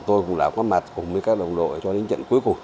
tôi cũng đã có mặt cùng với các đồng đội cho đến trận cuối cùng